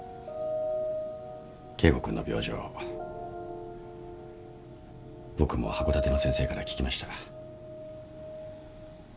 圭吾君の病状僕も函館の先生から聞きました。